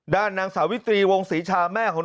ด้านนังสาวิตรีวงศ์ศรีชาแม่ของน้องชมพู่